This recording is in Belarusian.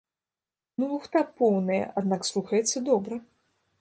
Ну лухта поўная, аднак слухаецца добра!